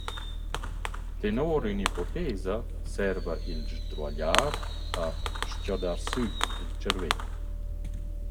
Tenor ün’ipotesa serva il sdruagliar a s-chodar sü il tscharvè.